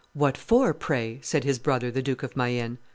"What for, pray?" said his brother, the Duke of Mayenne.